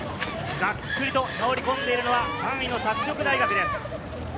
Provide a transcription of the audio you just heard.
ガックリと倒れ込んでいるのは３位の拓殖大学です。